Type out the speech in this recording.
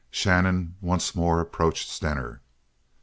Shannon once more approached Stener.